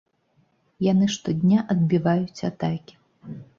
Яны штодня адбіваюць атакі.